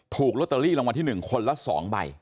ถูกลอตเตอรี่รางวัลที่๑คนละ๒ใบ